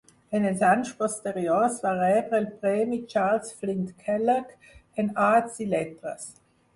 En els anys posteriors va rebre el premi Charles Flint Kellogg en Arts i Lletres.